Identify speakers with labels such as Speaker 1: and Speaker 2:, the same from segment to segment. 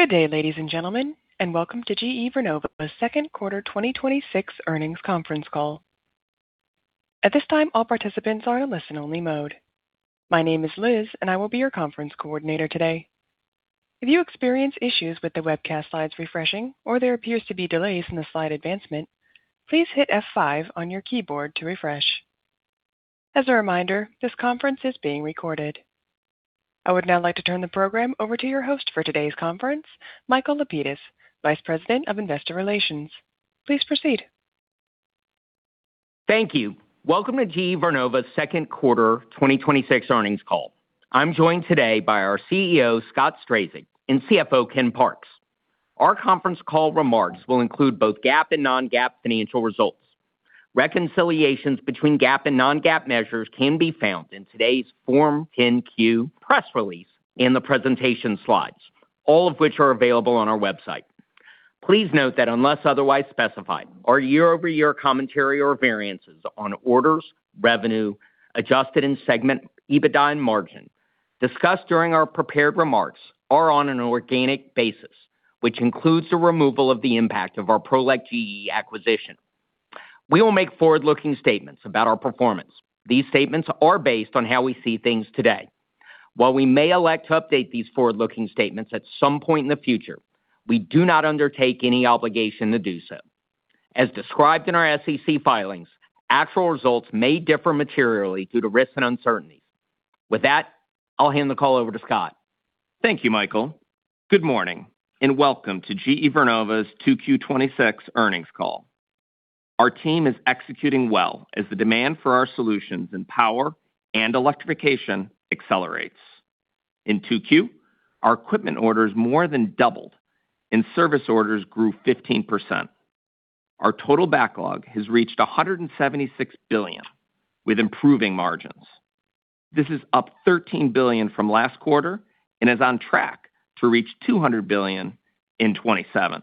Speaker 1: Good day, ladies and gentlemen, and welcome to GE Vernova's second quarter 2026 earnings conference call. At this time, all participants are in listen only mode. My name is Liz and I will be your conference coordinator today. If you experience issues with the webcast slides refreshing, or there appears to be delays in the slide advancement, please hit F5 on your keyboard to refresh. As a reminder, this conference is being recorded. I would now like to turn the program over to your host for today's conference, Michael Lapides, Vice President of Investor Relations. Please proceed.
Speaker 2: Thank you. Welcome to GE Vernova's second quarter 2026 earnings call. I'm joined today by our CEO, Scott Strazik, and CFO, Ken Parks. Our conference call remarks will include both GAAP and non-GAAP financial results. Reconciliations between GAAP and non-GAAP measures can be found in today's Form 10-Q press release and the presentation slides, all of which are available on our website. Please note that unless otherwise specified, our year-over-year commentary or variances on orders, revenue, adjusted, and segment EBITDA and margin discussed during our prepared remarks are on an organic basis, which includes the removal of the impact of our Prolec GE acquisition. We will make forward-looking statements about our performance. These statements are based on how we see things today. While we may elect to update these forward-looking statements at some point in the future, we do not undertake any obligation to do so. As described in our SEC filings, actual results may differ materially due to risks and uncertainties. With that, I'll hand the call over to Scott.
Speaker 3: Thank you, Michael. Good morning, and welcome to GE Vernova's Q2 2026 earnings call. Our team is executing well as the demand for our solutions in power and electrification accelerates. In Q2, our equipment orders more than doubled and service orders grew 15%. Our total backlog has reached $176 billion with improving margins. This is up $13 billion from last quarter and is on track to reach $200 billion in 2027.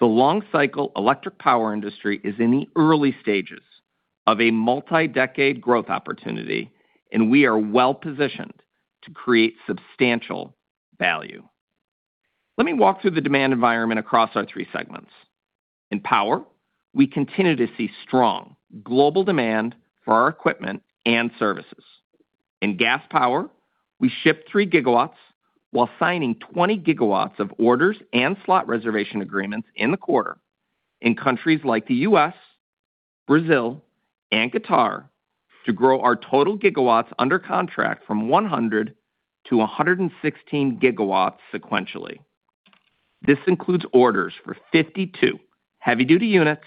Speaker 3: The long-cycle electric power industry is in the early stages of a multi-decade growth opportunity, and we are well-positioned to create substantial value. Let me walk through the demand environment across our three segments. In power, we continue to see strong global demand for our equipment and services. In Gas Power, we shipped three gigawatts while signing 20 gigawatts of orders and slot reservation agreements in the quarter in countries like the U.S., Brazil, and Qatar to grow our total gigawatts under contract from 100 to 116 gigawatts sequentially. This includes orders for 52 Heavy-Duty units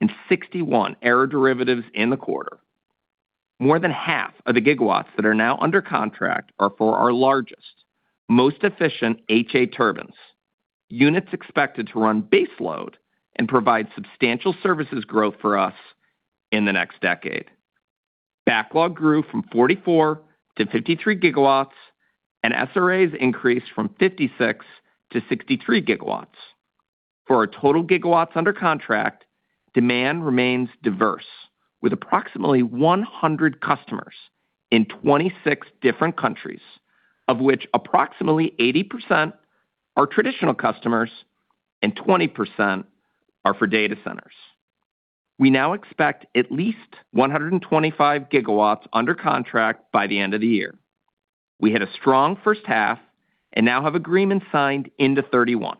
Speaker 3: and 61 aero-derivatives in the quarter. More than half of the gigawatts that are now under contract are for our largest, most efficient HA turbines, units expected to run base load and provide substantial services growth for us in the next decade. Backlog grew from 44 to 53 gigawatts, and SRAs increased from 56 to 63 gigawatts. For our total gigawatts under contract, demand remains diverse with approximately 100 customers in 26 different countries, of which approximately 80% are traditional customers and 20% are for data centers. We now expect at least 125 gigawatts under contract by the end of the year. We had a strong first half and now have agreements signed into 2031.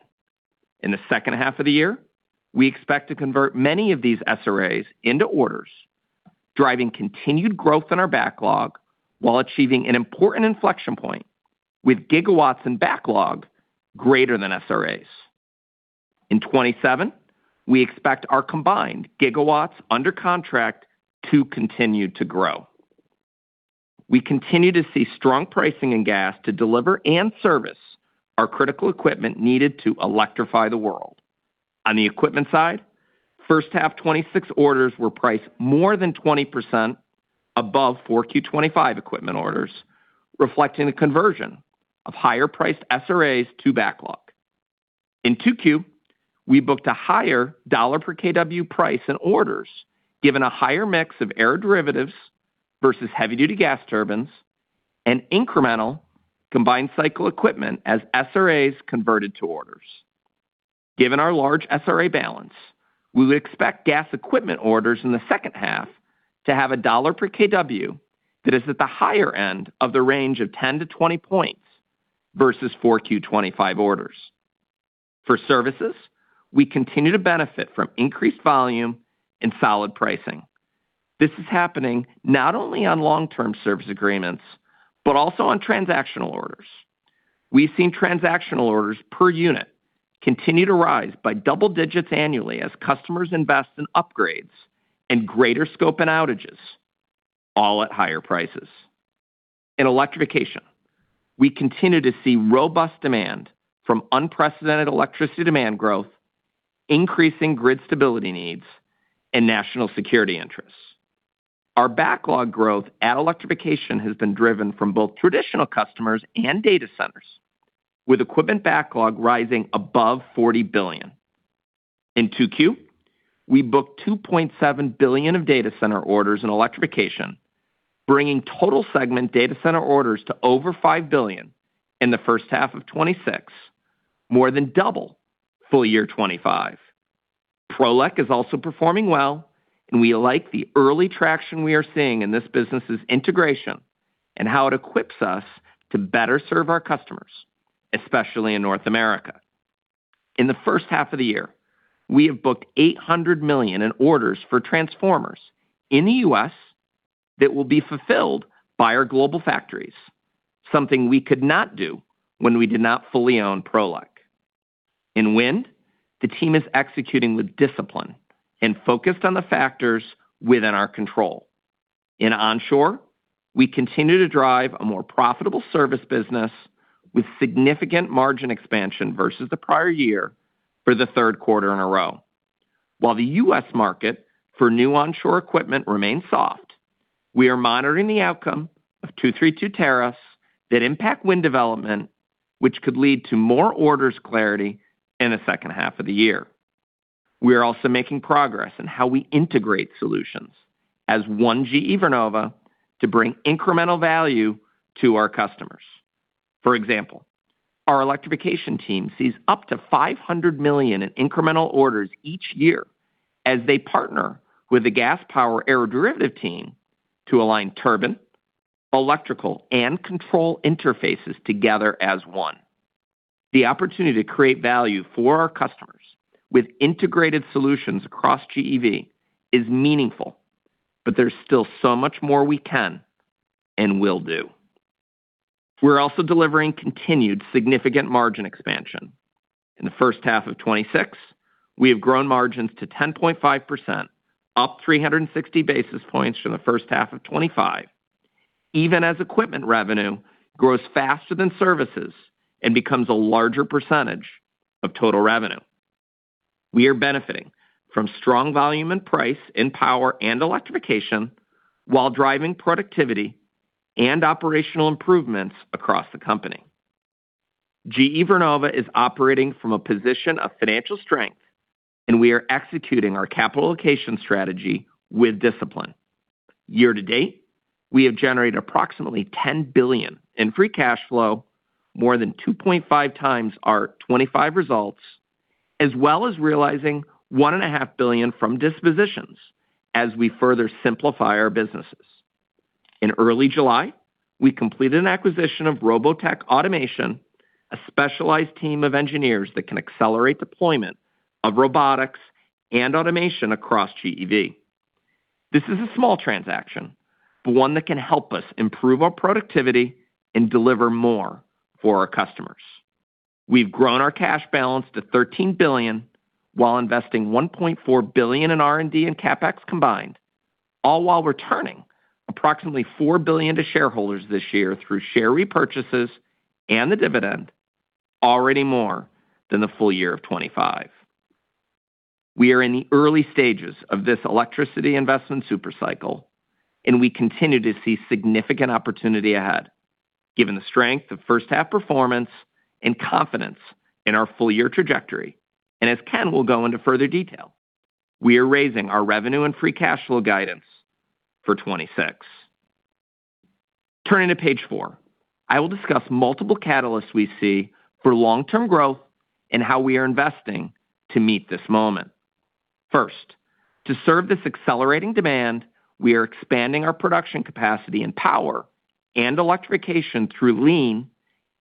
Speaker 3: In the second half of the year, we expect to convert many of these SRAs into orders, driving continued growth in our backlog while achieving an important inflection point with gigawatts and backlog greater than SRAs. In 2027, we expect our combined gigawatts under contract to continue to grow. We continue to see strong pricing in gas to deliver and service our critical equipment needed to electrify the world. On the equipment side, first half 2026 orders were priced more than 20% above Q4 2025 equipment orders, reflecting a conversion of higher-priced SRAs to backlog. In Q2, we booked a higher dollar per kW price in orders, given a higher mix of aero-derivatives versus Heavy-Duty gas turbines and incremental combined cycle equipment as SRAs converted to orders. Given our large SRA balance, we would expect gas equipment orders in the second half to have a dollar per kW that is at the higher end of the range of 10 to 20 points versus Q4 2025 orders. For services, we continue to benefit from increased volume and solid pricing. This is happening not only on long-term service agreements, but also on transactional orders. We've seen transactional orders per unit continue to rise by double digits annually as customers invest in upgrades and greater scope and outages, all at higher prices. In Electrification, we continue to see robust demand from unprecedented electricity demand growth, increasing grid stability needs, and national security interests. Our backlog growth at Electrification has been driven from both traditional customers and data centers, with equipment backlog rising above $40 billion. In Q2, we booked $2.7 billion of data center orders in Electrification, bringing total segment data center orders to over $5 billion in the first half of 2026, more than double full year 2025. Prolec is also performing well, and we like the early traction we are seeing in this business's integration and how it equips us to better serve our customers, especially in North America. In the first half of the year, we have booked $800 million in orders for transformers in the U.S. that will be fulfilled by our global factories, something we could not do when we did not fully own Prolec. In Wind, the team is executing with discipline and focused on the factors within our control. In onshore, we continue to drive a more profitable service business with significant margin expansion versus the prior year for the third quarter in a row. While the U.S. market for new onshore equipment remains soft, we are monitoring the outcome of 2-3-2 tariffs that impact wind development, which could lead to more orders clarity in the second half of the year. We are also making progress in how we integrate solutions as one GE Vernova to bring incremental value to our customers. For example, our electrification team sees up to $500 million in incremental orders each year as they partner with the gas power aeroderivative team to align turbine, electrical, and control interfaces together as one. The opportunity to create value for our customers with integrated solutions across GEV is meaningful, but there's still so much more we can and will do. We're also delivering continued significant margin expansion. In the first half of 2026, we have grown margins to 10.5%, up 360 basis points from the first half of 2025, even as equipment revenue grows faster than services and becomes a larger percentage of total revenue. We are benefiting from strong volume and price in power and electrification while driving productivity and operational improvements across the company. GE Vernova is operating from a position of financial strength, and we are executing our capital allocation strategy with discipline. Year-to-date, we have generated approximately $10 billion in free cash flow, more than 2.5 times our 2025 results, as well as realizing $1.5 billion from dispositions as we further simplify our businesses. In early July, we completed an acquisition of Robotech Automation, a specialized team of engineers that can accelerate deployment of robotics and automation across GEV. This is a small transaction, but one that can help us improve our productivity and deliver more for our customers. We've grown our cash balance to $13 billion while investing $1.4 billion in R&D and CapEx combined, all while returning approximately $4 billion to shareholders this year through share repurchases and the dividend, already more than the full year of 2025. We are in the early stages of this electricity investment super cycle, and we continue to see significant opportunity ahead. Given the strength of first half performance and confidence in our full-year trajectory, as Ken will go into further detail, we are raising our revenue and free cash flow guidance for 2026. Turning to page four, I will discuss multiple catalysts we see for long-term growth and how we are investing to meet this moment. First, to serve this accelerating demand, we are expanding our production capacity and power and electrification through lean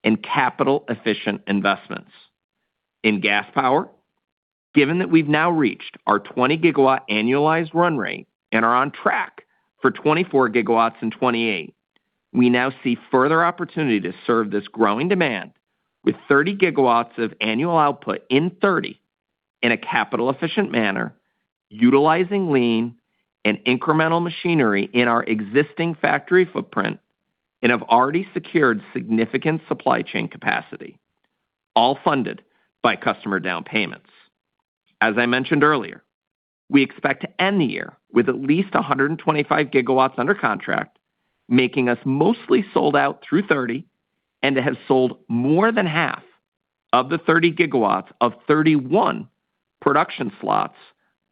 Speaker 3: and capital-efficient investments. In gas power, given that we've now reached our 20-gigawatt annualized run rate and are on track for 24 gigawatts in 2028, we now see further opportunity to serve this growing demand with 30 gigawatts of annual output in 2030 in a capital-efficient manner, utilizing lean and incremental machinery in our existing factory footprint, and have already secured significant supply chain capacity, all funded by customer down payments. As I mentioned earlier, we expect to end the year with at least 125 gigawatts under contract, making us mostly sold out through 2030, and to have sold more than half of the 30 gigawatts of 2031 production slots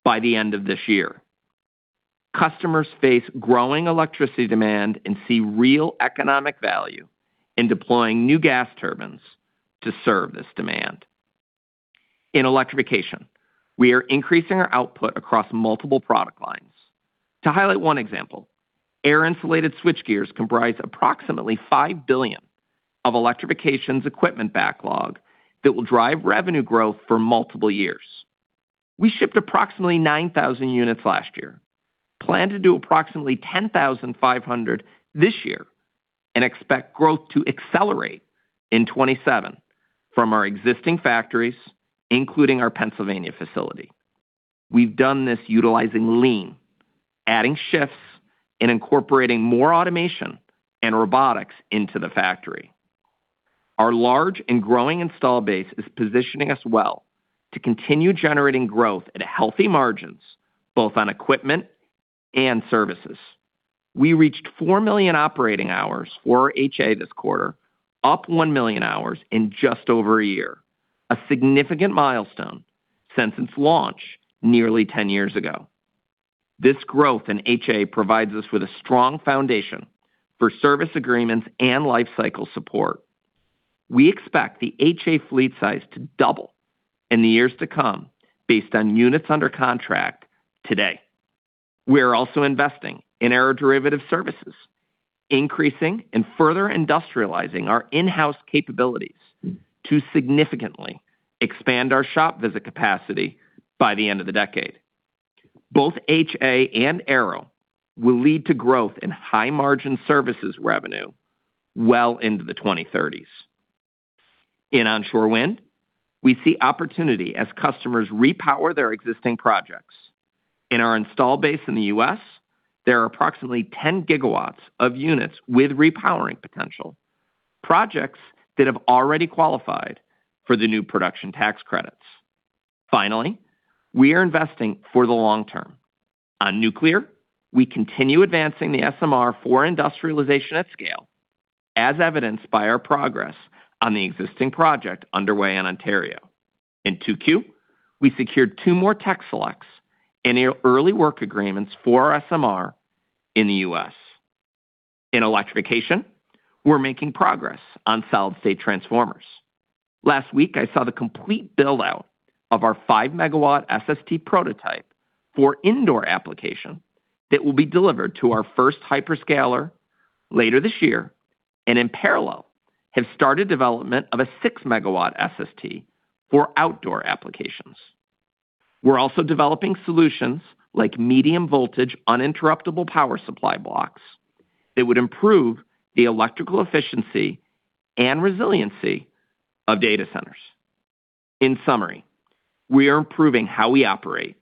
Speaker 3: by the end of this year. Customers face growing electricity demand and see real economic value in deploying new gas turbines to serve this demand. In Electrification, we are increasing our output across multiple product lines. To highlight one example, air-insulated switchgears comprise approximately $5 billion of Electrification's equipment backlog that will drive revenue growth for multiple years. We shipped approximately 9,000 units last year, plan to do approximately 10,500 this year, and expect growth to accelerate in 2027 from our existing factories, including our Pennsylvania facility. We've done this utilizing lean, adding shifts, and incorporating more automation and robotics into the factory. Our large and growing install base is positioning us well to continue generating growth at healthy margins, both on equipment and services. We reached 4 million operating hours for our HA this quarter, up 1 million hours in just over a year, a significant milestone since its launch nearly 10 years ago. This growth in HA provides us with a strong foundation for service agreements and lifecycle support. We expect the HA fleet size to double in the years to come based on units under contract today. We are also investing in Aero-derivative services, increasing and further industrializing our in-house capabilities to significantly expand our shop visit capacity by the end of the decade. Both HA and Aero will lead to growth in high-margin services revenue well into the 2030s. In onshore wind, we see opportunity as customers repower their existing projects. In our install base in the U.S., there are approximately 10 gigawatts of units with repowering potential, projects that have already qualified for the new production tax credits. Finally, we are investing for the long term. On nuclear, we continue advancing the SMR for industrialization at scale, as evidenced by our progress on the existing project underway in Ontario. In Q2, we secured two more tech selects and early work agreements for our SMR in the U.S. In Electrification, we're making progress on solid-state transformers. Last week, I saw the complete build-out of our 5 megawatt SST prototype for indoor application that will be delivered to our first hyperscaler later this year and in parallel have started development of a 6 megawatt SST for outdoor applications. We're also developing solutions like MV-UPS blocks that would improve the electrical efficiency and resiliency of data centers. In summary, we are improving how we operate,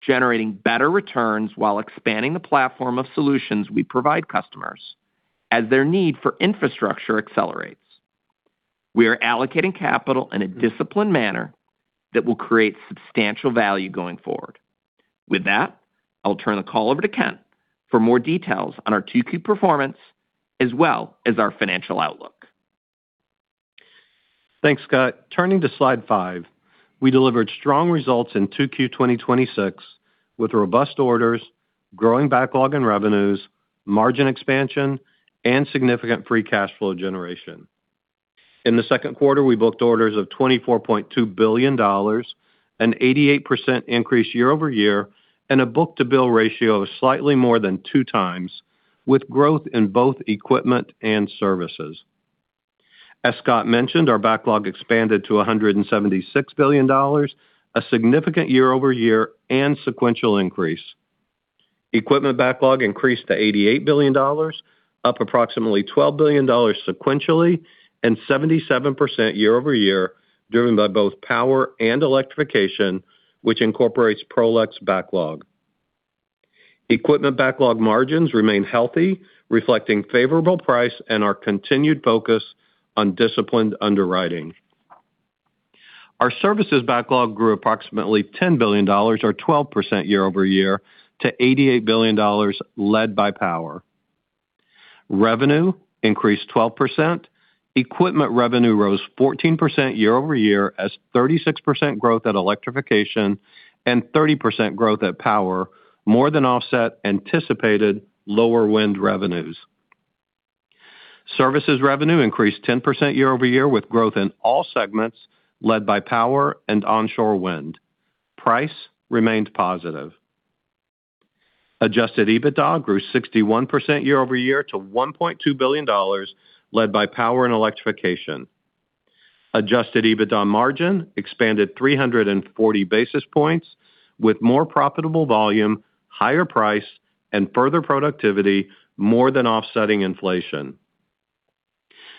Speaker 3: generating better returns while expanding the platform of solutions we provide customers as their need for infrastructure accelerates. We are allocating capital in a disciplined manner that will create substantial value going forward. With that, I'll turn the call over to Ken for more details on our Q2 performance as well as our financial outlook.
Speaker 4: Thanks, Scott. Turning to slide five, we delivered strong results in Q2 2026 with robust orders, growing backlog and revenues, margin expansion, and significant free cash flow generation. In the second quarter, we booked orders of $24.2 billion, an 88% increase year-over-year, and a book-to-bill ratio of slightly more than two times with growth in both equipment and services. As Scott mentioned, our backlog expanded to $176 billion, a significant year-over-year and sequential increase. Equipment backlog increased to $88 billion, up approximately $12 billion sequentially and 77% year-over-year, driven by both Power and Electrification, which incorporates Prolec GE backlog. Equipment backlog margins remain healthy, reflecting favorable price and our continued focus on disciplined underwriting. Our services backlog grew approximately $10 billion or 12% year-over-year to $88 billion, led by Power. Revenue increased 12%. Equipment revenue rose 14% year-over-year as 36% growth at Electrification and 30% growth at Power more than offset anticipated lower wind revenues. Services revenue increased 10% year-over-year, with growth in all segments led by Power and Onshore Wind. Price remained positive. Adjusted EBITDA grew 61% year-over-year to $1.2 billion, led by Power and Electrification. Adjusted EBITDA margin expanded 340 basis points with more profitable volume, higher price, and further productivity more than offsetting inflation.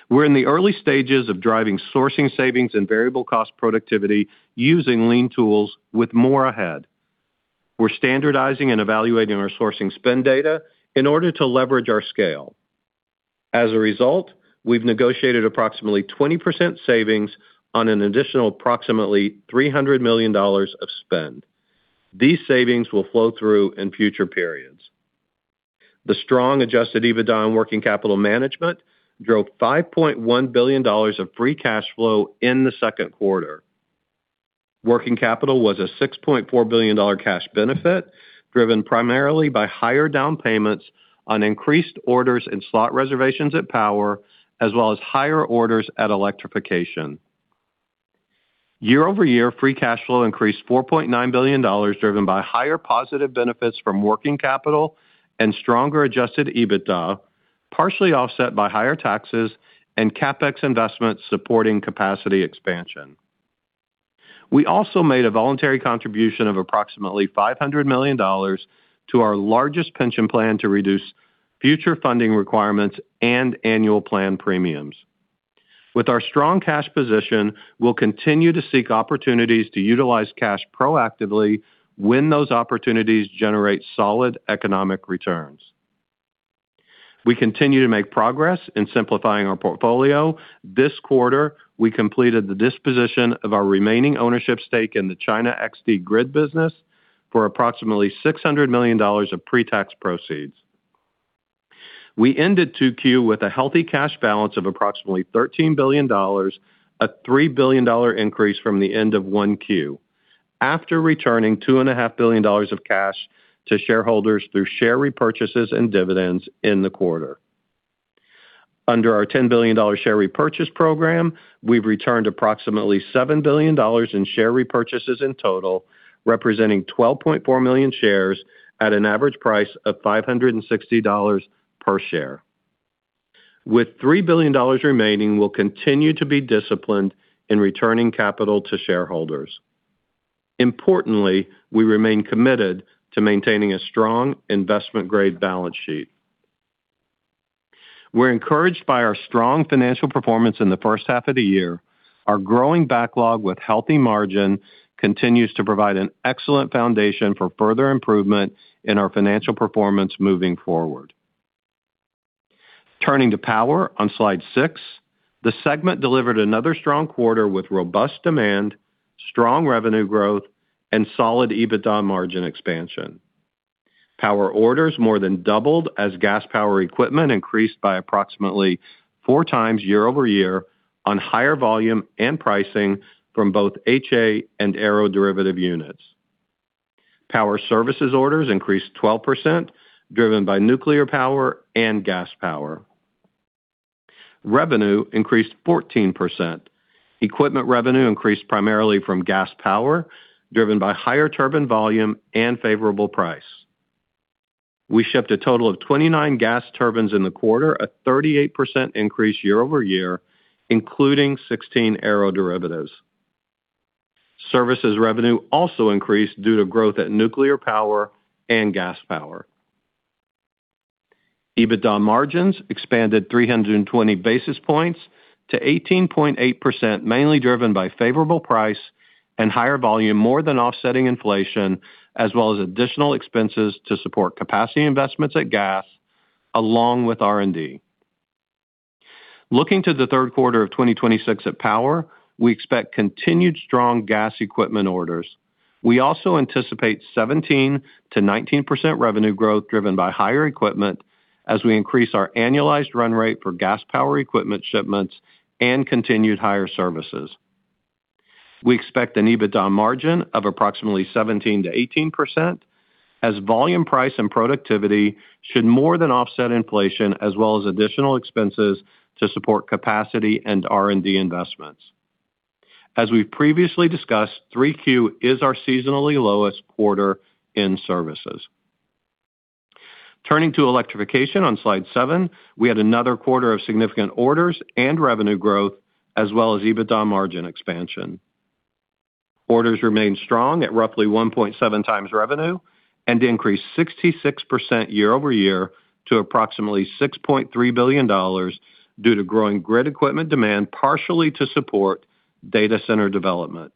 Speaker 4: We're in the early stages of driving sourcing savings and variable cost productivity using lean tools with more ahead. We're standardizing and evaluating our sourcing spend data in order to leverage our scale. As a result, we've negotiated approximately 20% savings on an additional approximately $300 million of spend. These savings will flow through in future periods. The strong Adjusted EBITDA and working capital management drove $5.1 billion of free cash flow in the second quarter. Working capital was a $6.4 billion cash benefit, driven primarily by higher down payments on increased orders and slot reservations at Power, as well as higher orders at Electrification. Year-over-year, free cash flow increased $4.9 billion, driven by higher positive benefits from working capital and stronger Adjusted EBITDA, partially offset by higher taxes and CapEx investments supporting capacity expansion. We also made a voluntary contribution of approximately $500 million to our largest pension plan to reduce future funding requirements and annual plan premiums. With our strong cash position, we'll continue to seek opportunities to utilize cash proactively when those opportunities generate solid economic returns. We continue to make progress in simplifying our portfolio. This quarter, we completed the disposition of our remaining ownership stake in the China XD Grid business for approximately $600 million of pre-tax proceeds. We ended Q2 with a healthy cash balance of approximately $13 billion, a $3 billion increase from the end of Q1, after returning $2.5 billion of cash to shareholders through share repurchases and dividends in the quarter. Under our $10 billion share repurchase program, we've returned approximately $7 billion in share repurchases in total, representing 12.4 million shares at an average price of $560 per share. With $3 billion remaining, we'll continue to be disciplined in returning capital to shareholders. Importantly, we remain committed to maintaining a strong investment-grade balance sheet. We're encouraged by our strong financial performance in the first half of the year. Our growing backlog with healthy margin continues to provide an excellent foundation for further improvement in our financial performance moving forward. Turning to Power on Slide six, the segment delivered another strong quarter with robust demand, strong revenue growth, and solid EBITDA margin expansion. Power orders more than doubled as Gas Power equipment increased by approximately four times year-over-year on higher volume and pricing from both HA and aeroderivative units. Power services orders increased 12%, driven by Nuclear Power and Gas Power. Revenue increased 14%. Equipment revenue increased primarily from Gas Power, driven by higher turbine volume and favorable price. We shipped a total of 29 gas turbines in the quarter, a 38% increase year-over-year, including 16 aeroderivatives. Services revenue also increased due to growth at Nuclear Power and Gas Power. EBITDA margins expanded 320 basis points to 18.8%, mainly driven by favorable price and higher volume, more than offsetting inflation, as well as additional expenses to support capacity investments at Gas along with R&D. Looking to the third quarter of 2026 at Power, we expect continued strong gas equipment orders. We also anticipate 17%-19% revenue growth driven by higher equipment as we increase our annualized run rate for gas power equipment shipments and continued higher services. We expect an EBITDA margin of approximately 17%-18% as volume price and productivity should more than offset inflation, as well as additional expenses to support capacity and R&D investments. As we've previously discussed, Q3 is our seasonally lowest quarter in services. Turning to Electrification on slide seven, we had another quarter of significant orders and revenue growth, as well as EBITDA margin expansion. Orders remained strong at roughly 1.7 times revenue and increased 66% year-over-year to approximately $6.3 billion due to growing grid equipment demand, partially to support data center development.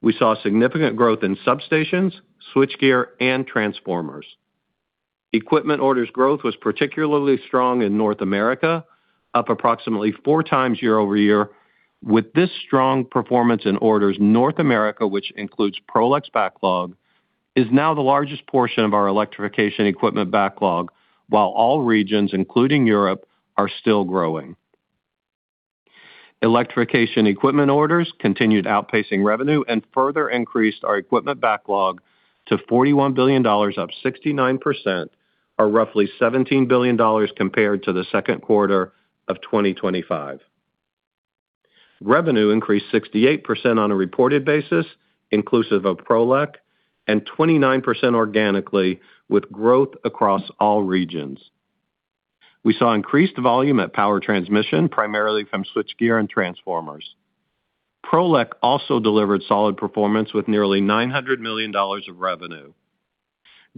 Speaker 4: We saw significant growth in substations, switchgear, and transformers. Equipment orders growth was particularly strong in North America, up approximately four times year-over-year. With this strong performance in orders, North America, which includes Prolec's backlog, is now the largest portion of our Electrification equipment backlog, while all regions, including Europe, are still growing. Electrification equipment orders continued outpacing revenue and further increased our equipment backlog to $41 billion, up 69%, or roughly $17 billion compared to the second quarter of 2025. Revenue increased 68% on a reported basis, inclusive of Prolec, and 29% organically, with growth across all regions. We saw increased volume at Power Transmission, primarily from switchgear and transformers. Prolec also delivered solid performance with nearly $900 million of revenue.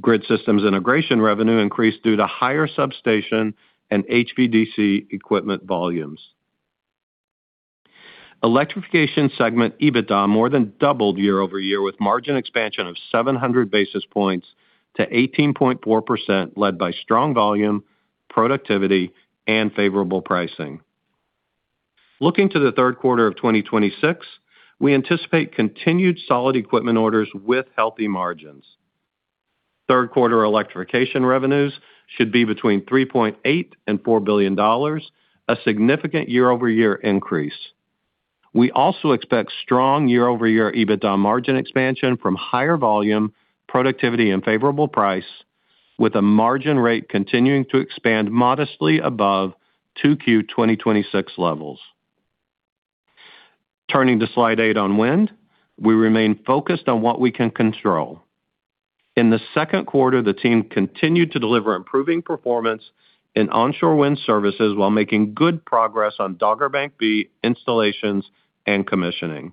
Speaker 4: Grid systems integration revenue increased due to higher substation and HVDC equipment volumes. Electrification segment EBITDA more than doubled year-over-year with margin expansion of 700 basis points to 18.4%, led by strong volume, productivity, and favorable pricing. Looking to the third quarter of 2026, we anticipate continued solid equipment orders with healthy margins. Third quarter Electrification revenues should be between $3.8 billion and $4 billion, a significant year-over-year increase. We also expect strong year-over-year EBITDA margin expansion from higher volume, productivity, and favorable price, with a margin rate continuing to expand modestly above Q2 2026 levels. Turning to slide eight on Wind, we remain focused on what we can control. In the second quarter, the team continued to deliver improving performance in onshore wind services while making good progress on Dogger Bank B installation and commissioning.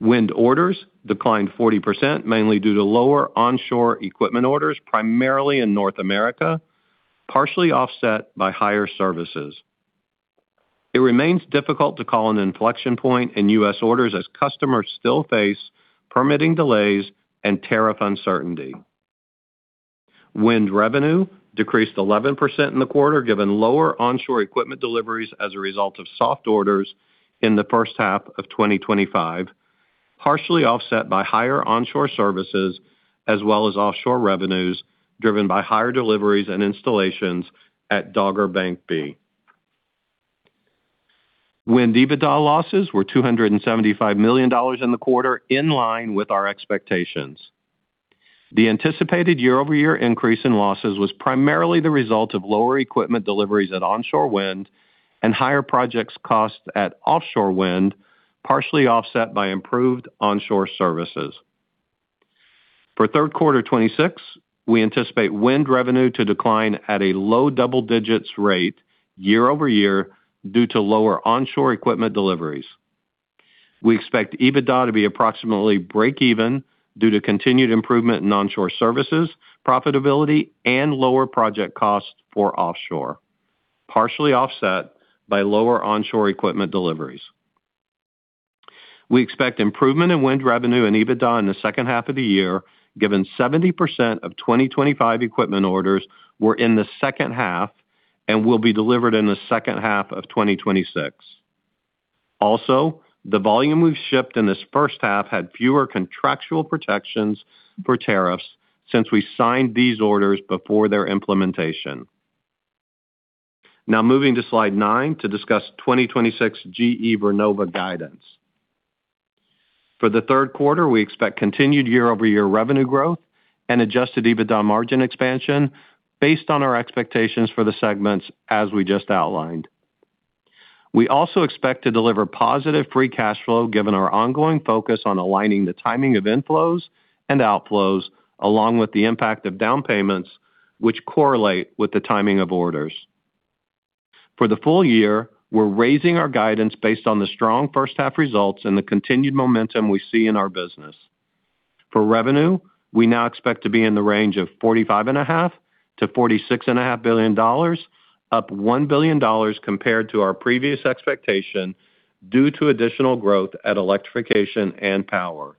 Speaker 4: Wind orders declined 40%, mainly due to lower onshore equipment orders, primarily in North America, partially offset by higher services. It remains difficult to call an inflection point in U.S. orders as customers still face permitting delays and tariff uncertainty. Wind revenue decreased 11% in the quarter, given lower onshore equipment deliveries as a result of soft orders in the first half of 2025, partially offset by higher onshore services as well as offshore revenues, driven by higher deliveries and installations at Dogger Bank B. Wind EBITDA losses were $275 million in the quarter, in line with our expectations. The anticipated year-over-year increase in losses was primarily the result of lower equipment deliveries at onshore Wind and higher projects cost at offshore Wind, partially offset by improved onshore services. For third quarter 2026, we anticipate Wind revenue to decline at a low double-digits rate year-over-year due to lower onshore equipment deliveries. We expect EBITDA to be approximately break-even due to continued improvement in onshore services, profitability, and lower project costs for offshore, partially offset by lower onshore equipment deliveries. We expect improvement in wind revenue and EBITDA in the second half of the year, given 70% of 2025 equipment orders were in the second half and will be delivered in the second half of 2026. Also, the volume we've shipped in this first half had fewer contractual protections for tariffs since we signed these orders before their implementation. Moving to slide nine to discuss 2026 GE Vernova guidance. For the third quarter, we expect continued year-over-year revenue growth and Adjusted EBITDA margin expansion based on our expectations for the segments as we just outlined. We also expect to deliver positive free cash flow given our ongoing focus on aligning the timing of inflows and outflows, along with the impact of down payments, which correlate with the timing of orders. For the full year, we're raising our guidance based on the strong first-half results and the continued momentum we see in our business. For revenue, we now expect to be in the range of $45.5 billion-$46.5 billion, up $1 billion compared to our previous expectation due to additional growth at Electrification and Power.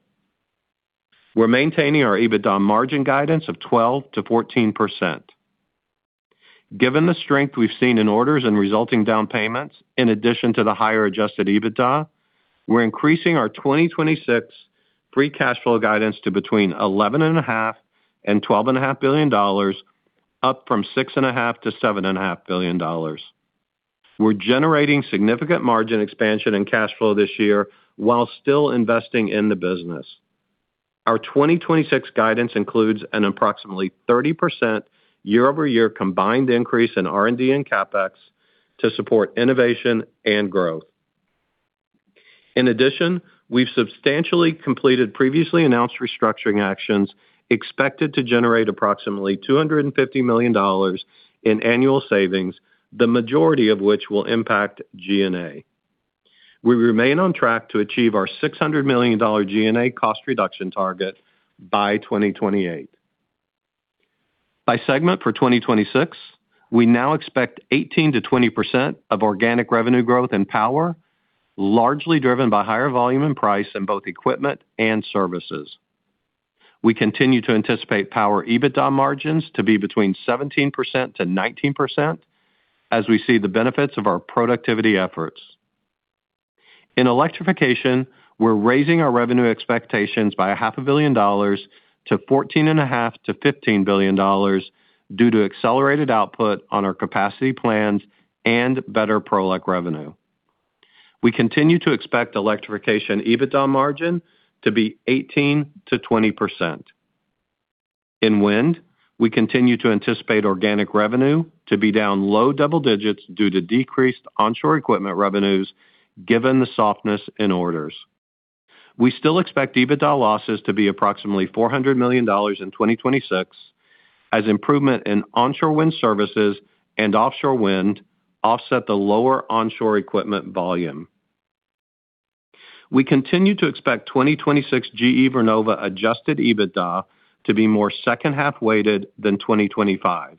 Speaker 4: We're maintaining our EBITDA margin guidance of 12%-14%. Given the strength we've seen in orders and resulting down payments, in addition to the higher Adjusted EBITDA, we're increasing our 2026 free cash flow guidance to between $11.5 billion and $12.5 billion, up from $6.5 billion-$7.5 billion. We're generating significant margin expansion and cash flow this year while still investing in the business. Our 2026 guidance includes an approximately 30% year-over-year combined increase in R&D and CapEx to support innovation and growth. In addition, we've substantially completed previously announced restructuring actions expected to generate approximately $250 million in annual savings, the majority of which will impact G&A. We remain on track to achieve our $600 million G&A cost reduction target by 2028. By segment for 2026, we now expect 18%-20% of organic revenue growth in Power, largely driven by higher volume and price in both equipment and services. We continue to anticipate Power EBITDA margins to be between 17%-19% as we see the benefits of our productivity efforts. In Electrification, we're raising our revenue expectations by $500 million to $14.5 billion-$15 billion due to accelerated output on our capacity plans and better Prolec revenue. We continue to expect Electrification EBITDA margin to be 18%-20%. In Wind, we continue to anticipate organic revenue to be down low double digits due to decreased onshore equipment revenues, given the softness in orders. We still expect EBITDA losses to be approximately $400 million in 2026, as improvement in onshore wind services and offshore wind offset the lower onshore equipment volume. We continue to expect 2026 GE Vernova Adjusted EBITDA to be more second-half weighted than 2025,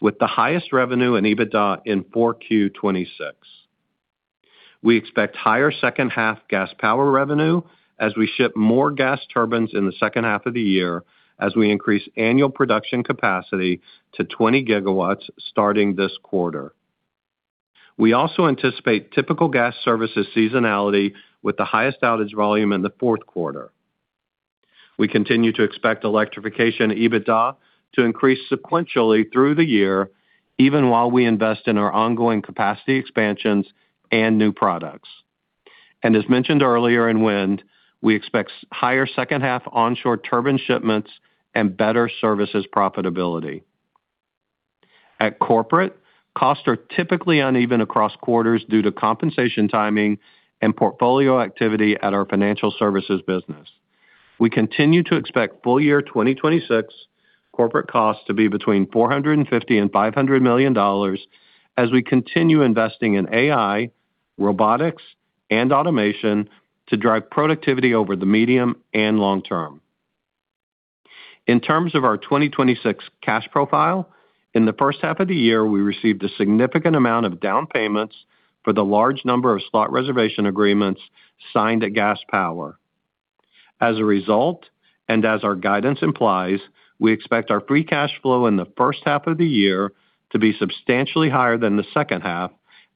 Speaker 4: with the highest revenue and EBITDA in Q4 2026. We expect higher second-half Gas Power revenue as we ship more gas turbines in the second half of the year, as we increase annual production capacity to 20 gigawatts starting this quarter. We also anticipate typical gas services seasonality with the highest outage volume in the fourth quarter. We continue to expect Electrification EBITDA to increase sequentially through the year, even while we invest in our ongoing capacity expansions and new products. As mentioned earlier in Wind, we expect higher second-half onshore turbine shipments and better services profitability. At Corporate, costs are typically uneven across quarters due to compensation timing and portfolio activity at our financial services business. We continue to expect full-year 2026 corporate costs to be between $450 million-$500 million as we continue investing in AI, robotics, and automation to drive productivity over the medium and long term. In terms of our 2026 cash profile, in the first half of the year, we received a significant amount of down payments for the large number of slot reservation agreements signed at Gas Power. As a result, and as our guidance implies, we expect our free cash flow in the first half of the year to be substantially higher than the second half,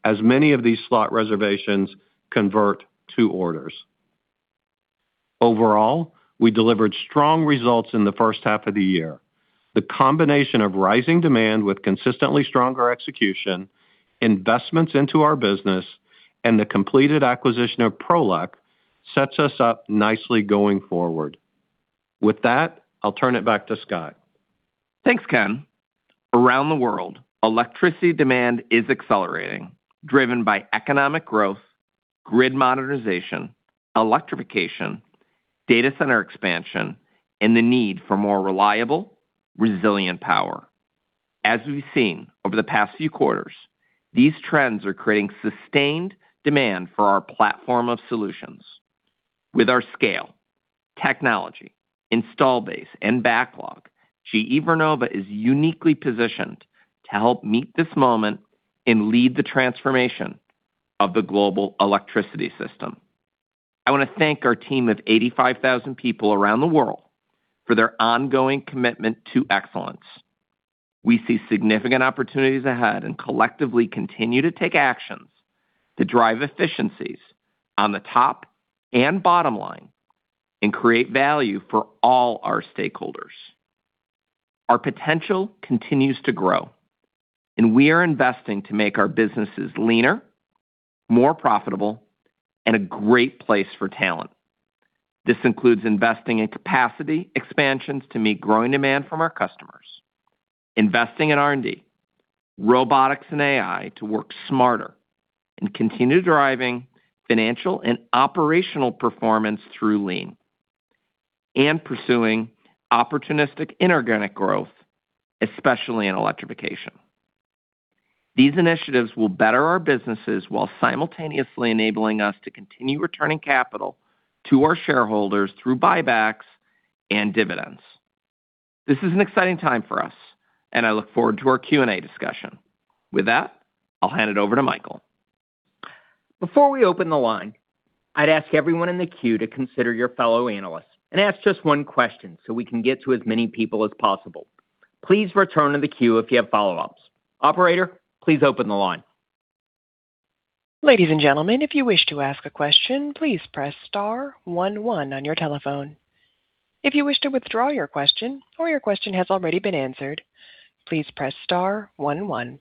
Speaker 4: as many of these slot reservations convert to orders. Overall, we delivered strong results in the first half of the year. The combination of rising demand with consistently stronger execution, investments into our business, and the completed acquisition of Prolec GE sets us up nicely going forward. With that, I'll turn it back to Scott.
Speaker 3: Thanks, Ken. Around the world, electricity demand is accelerating, driven by economic growth, grid modernization, electrification, data center expansion, and the need for more reliable, resilient power. As we've seen over the past few quarters, these trends are creating sustained demand for our platform of solutions. With our scale, technology, install base, and backlog, GE Vernova is uniquely positioned to help meet this moment and lead the transformation of the global electricity system. I want to thank our team of 85,000 people around the world for their ongoing commitment to excellence. We see significant opportunities ahead, collectively continue to take actions to drive efficiencies on the top and bottom line and create value for all our stakeholders. Our potential continues to grow, and we are investing to make our businesses leaner, more profitable, and a great place for talent. This includes investing in capacity expansions to meet growing demand from our customers, investing in R&D, robotics and AI to work smarter, continue driving financial and operational performance through Lean, and pursuing opportunistic inorganic growth, especially in electrification. These initiatives will better our businesses while simultaneously enabling us to continue returning capital to our shareholders through buybacks and dividends. This is an exciting time for us, and I look forward to our Q and A discussion. With that, I'll hand it over to Michael.
Speaker 2: Before we open the line, I'd ask everyone in the queue to consider your fellow analysts and ask just one question so we can get to as many people as possible. Please return to the queue if you have follow-ups. Operator, please open the line.
Speaker 1: Ladies and gentlemen, if you wish to ask a question, please press star one one on your telephone. If you wish to withdraw your question or your question has already been answered, please press star one one.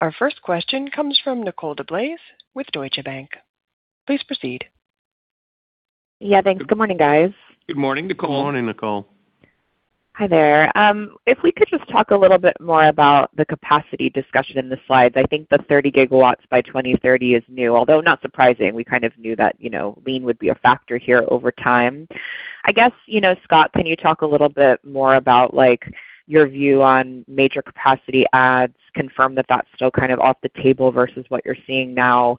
Speaker 1: Our first question comes from Nicole DeBlase with Deutsche Bank. Please proceed.
Speaker 5: Yeah, thanks. Good morning, guys.
Speaker 3: Good morning, Nicole.
Speaker 4: Good morning, Nicole.
Speaker 5: Hi there. If we could just talk a little bit more about the capacity discussion in the slides. I think the 30 gigawatts by 2030 is new, although not surprising. We kind of knew that Lean would be a factor here over time. I guess, Scott, can you talk a little bit more about your view on major capacity adds, confirm that's still kind of off the table versus what you're seeing now,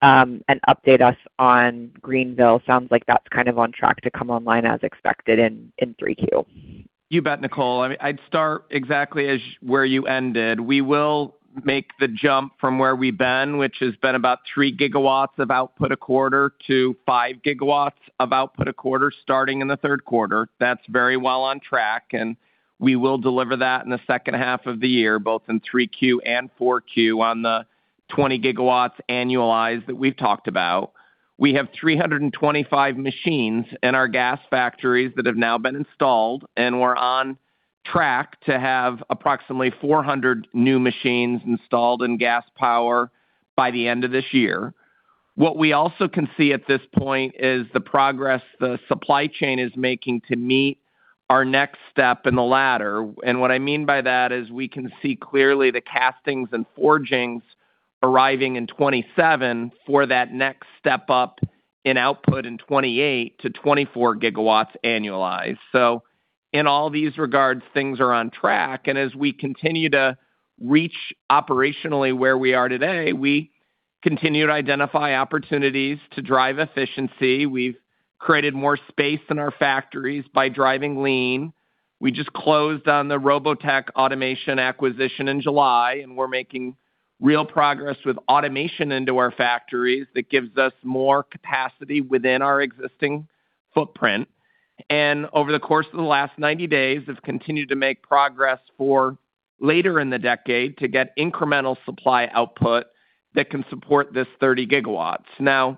Speaker 5: and update us on Greenville? Sounds like that's kind of on track to come online as expected in Q3.
Speaker 3: You bet, Nicole. I'd start exactly as where you ended. We will make the jump from where we've been, which has been about three gigawatts of output a quarter to five gigawatts of output a quarter, starting in the third quarter. That's very well on track, and we will deliver that in the second half of the year, both in Q3 and Q4 on the 20 gigawatts annualized that we've talked about. We have 325 machines in our gas factories that have now been installed, and we're on track to have approximately 400 new machines installed in Gas Power by the end of this year. What we also can see at this point is the progress the supply chain is making to meet our next step in the ladder. What I mean by that is we can see clearly the castings and forgings arriving in 2027 for that next step up in output in 2028 to 24 gigawatts annualized. In all these regards, things are on track. As we continue to reach operationally where we are today, we continue to identify opportunities to drive efficiency. We've created more space in our factories by driving Lean. We just closed on the Robotech Automation acquisition in July, and we're making real progress with automation into our factories that gives us more capacity within our existing footprint. Over the course of the last 90 days, have continued to make progress for later in the decade to get incremental supply output that can support this 30 gigawatts.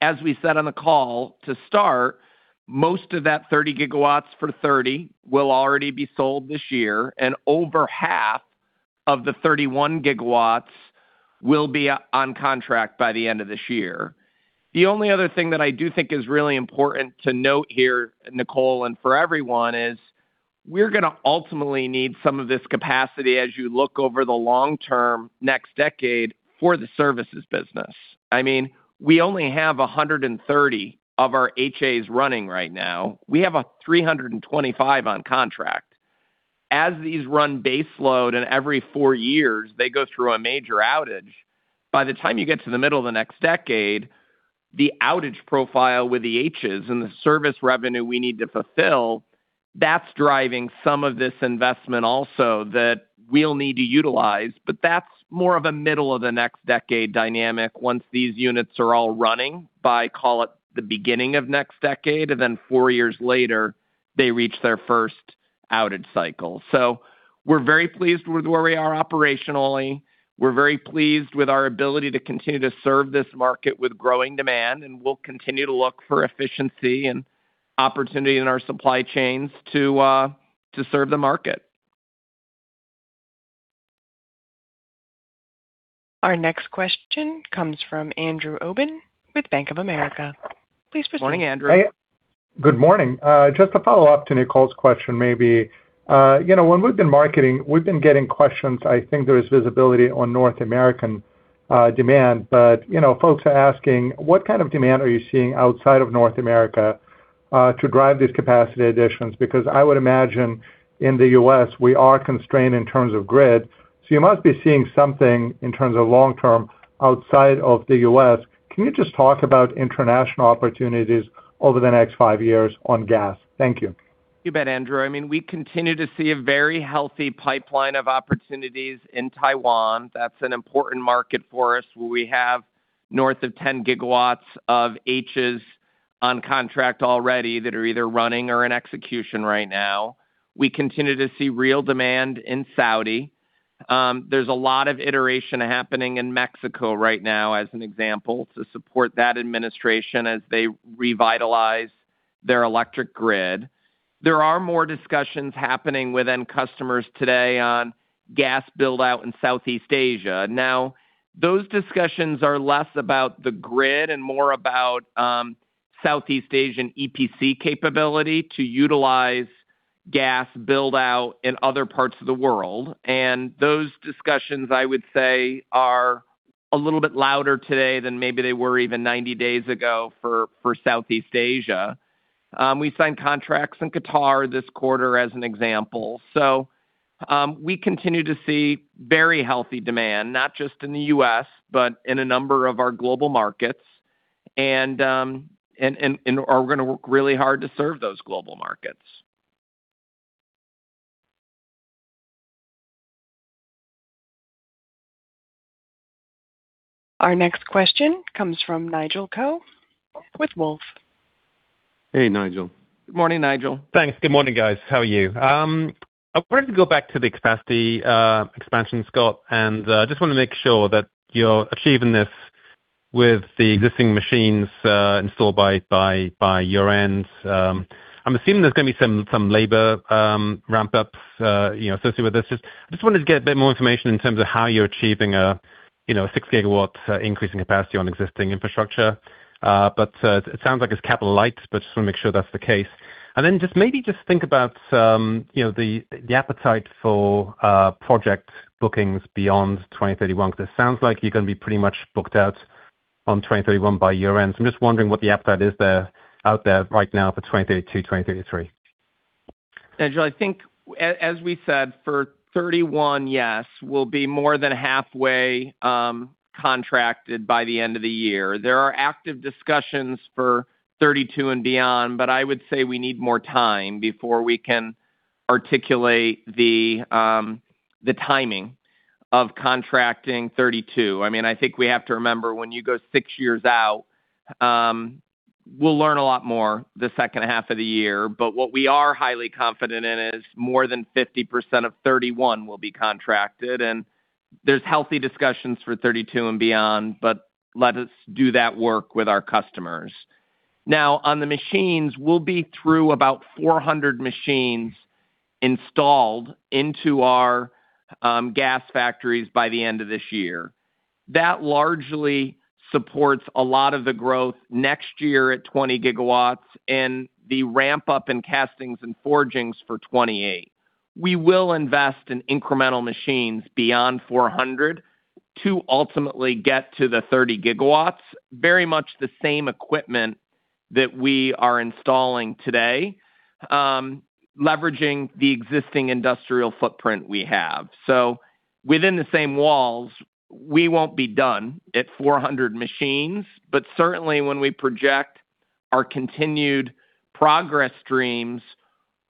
Speaker 3: As we said on the call to start, most of that 30 gigawatts for 2030 will already be sold this year, and over half of the 31 gigawatts will be on contract by the end of this year. The only other thing that I do think is really important to note here, Nicole, and for everyone, is we're going to ultimately need some of this capacity as you look over the long-term next decade for the services business. We only have 130 of our HAs running right now. We have 325 on contract. As these run baseload and every four years they go through a major outage, by the time you get to the middle of the next decade, the outage profile with the HAs and the service revenue we need to fulfill, that's driving some of this investment also that we'll need to utilize. That's more of a middle-of-the-next-decade dynamic once these units are all running by, call it, the beginning of next decade, then four years later, they reach their first outage cycle. We're very pleased with where we are operationally. We're very pleased with our ability to continue to serve this market with growing demand, we'll continue to look for efficiency and opportunity in our supply chains to serve the market.
Speaker 1: Our next question comes from Andrew Obin with Bank of America. Please proceed.
Speaker 3: Morning, Andrew.
Speaker 6: Good morning. Just a follow-up to Nicole's question, maybe. When we've been marketing, we've been getting questions, I think there is visibility on North American demand. Folks are asking, what kind of demand are you seeing outside of North America to drive these capacity additions? Because I would imagine in the U.S., we are constrained in terms of grid. You must be seeing something in terms of long-term outside of the U.S. Can you just talk about international opportunities over the next five years on gas? Thank you.
Speaker 3: You bet, Andrew. We continue to see a very healthy pipeline of opportunities in Taiwan. That's an important market for us, where we have north of 10 gigawatts of HAs on contract already that are either running or in execution right now. We continue to see real demand in Saudi. There's a lot of iteration happening in Mexico right now, as an example, to support that administration as they revitalize their electric grid. There are more discussions happening within customers today on gas build-out in Southeast Asia. Those discussions are less about the grid and more about Southeast Asian EPC capability to utilize gas build-out in other parts of the world. Those discussions, I would say, are a little bit louder today than maybe they were even 90 days ago for Southeast Asia. We signed contracts in Qatar this quarter as an example. We continue to see very healthy demand, not just in the U.S., but in a number of our global markets. We're going to work really hard to serve those global markets.
Speaker 1: Our next question comes from Nigel Coe with Wolfe.
Speaker 4: Hey, Nigel.
Speaker 3: Morning, Nigel.
Speaker 7: Thanks. Good morning, guys. How are you? I wanted to go back to the capacity expansion, Scott, and just want to make sure that you're achieving this with the existing machines installed by year-end. I'm assuming there's going to be some labor ramp-ups associated with this. Just wanted to get a bit more information in terms of how you're achieving a 6 gigawatt increase in capacity on existing infrastructure. It sounds like it's capital light, but just want to make sure that's the case. Just maybe just think about the appetite for project bookings beyond 2031, because it sounds like you're going to be pretty much booked out on 2031 by year-end. I'm just wondering what the appetite is out there right now for 2032, 2033.
Speaker 3: Nigel, I think as we said, for 2031, yes, we'll be more than halfway contracted by the end of the year. There are active discussions for 2032 and beyond, but I would say we need more time before we can articulate the timing of contracting 2032. I think we have to remember when you go six years out, we'll learn a lot more the second half of the year. What we are highly confident in is more than 50% of 2031 will be contracted, and there's healthy discussions for 2032 and beyond, but let us do that work with our customers. On the machines, we'll be through about 400 machines installed into our gas factories by the end of this year. That largely supports a lot of the growth next year at 20 gigawatts and the ramp-up in castings and forgings for 2028. We will invest in incremental machines beyond 400 to ultimately get to the 30 gigawatts, very much the same equipment that we are installing today, leveraging the existing industrial footprint we have. Within the same walls, we won't be done at 400 machines, but certainly when we project our continued progress streams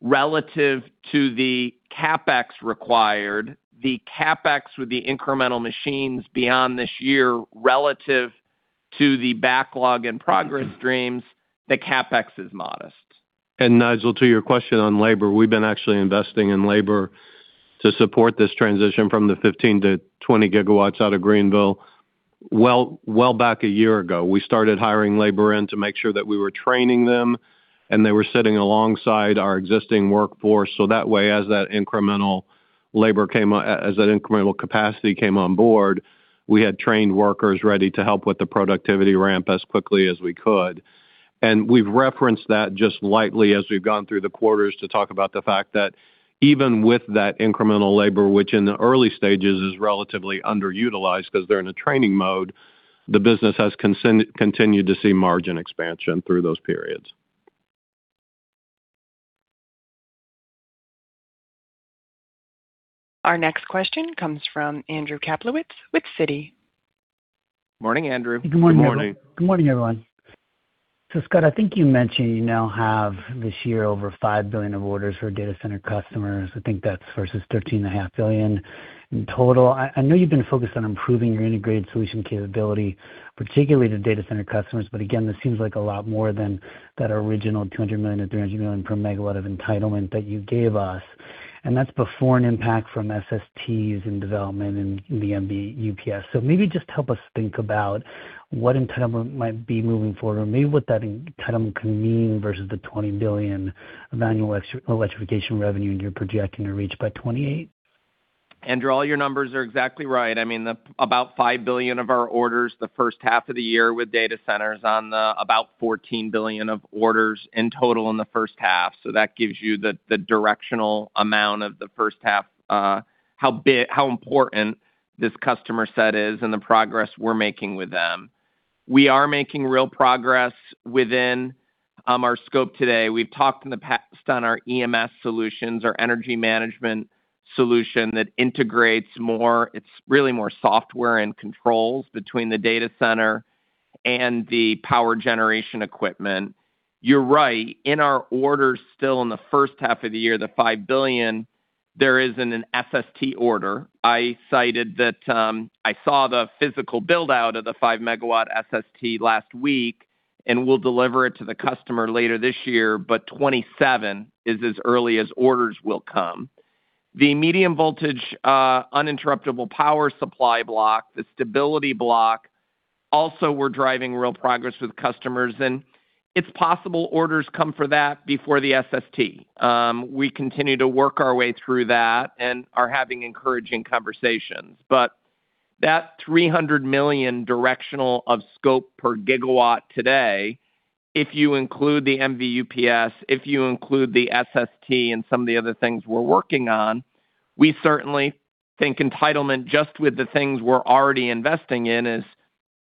Speaker 3: relative to the CapEx required, the CapEx with the incremental machines beyond this year relative to the backlog and progress streams, the CapEx is modest.
Speaker 4: Nigel, to your question on labor, we've been actually investing in labor to support this transition from the 15 to 20 gigawatts out of Greenville well back a year ago. We started hiring labor in to make sure that we were training them, and they were sitting alongside our existing workforce, so that way, as that incremental capacity came on board, we had trained workers ready to help with the productivity ramp as quickly as we could. We've referenced that just lightly as we've gone through the quarters to talk about the fact that even with that incremental labor, which in the early stages is relatively underutilized because they're in a training mode. The business has continued to see margin expansion through those periods.
Speaker 1: Our next question comes from Andrew Kaplowitz with Citi.
Speaker 3: Morning, Andrew.
Speaker 8: Good morning.
Speaker 4: Good morning.
Speaker 8: Good morning, everyone. Scott, I think you mentioned you now have this year over $5 billion of orders for data center customers. I think that's versus $13.5 billion in total. I know you've been focused on improving your integrated solution capability, particularly to data center customers, but again, this seems like a lot more than that original $200 million-$300 million per megawatt of entitlement that you gave us, and that's before an impact from SSTs in development and the MV-UPS. Maybe just help us think about what entitlement might be moving forward or maybe what that entitlement can mean versus the $20 billion annual Electrification revenue you're projecting to reach by 2028.
Speaker 3: Andrew, all your numbers are exactly right. About $5 billion of our orders the first half of the year with data centers on the about $14 billion of orders in total in the first half. That gives you the directional amount of the first half, how important this customer set is and the progress we're making with them. We are making real progress within our scope today. We've talked in the past on our EMS solutions, our Energy Management solution that integrates more. It's really more software and controls between the data center and the power generation equipment. You're right, in our orders still in the first half of the year, the $5 billion, there isn't an SST order. I cited that I saw the physical build-out of the 5-megawatt SST last week, and we'll deliver it to the customer later this year, but 2027 is as early as orders will come. The Medium Voltage Uninterruptible Power Supply block, the stability block, also we're driving real progress with customers, and it's possible orders come for that before the SST. We continue to work our way through that and are having encouraging conversations. That $300 million directional of scope per gigawatt today, if you include the MV-UPS, if you include the SST and some of the other things we're working on, we certainly think entitlement just with the things we're already investing in is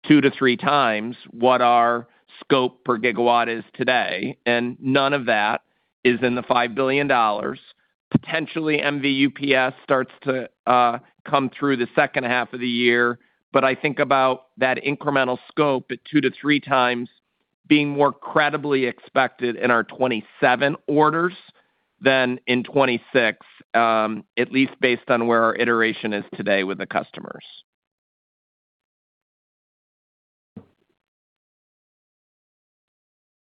Speaker 3: 2 to 3 times what our scope per gigawatt is today, and none of that is in the $5 billion. Potentially, MV-UPS starts to come through the second half of the year, but I think about that incremental scope at 2 to 3 times being more credibly expected in our 2027 orders than in 2026, at least based on where our iteration is today with the customers.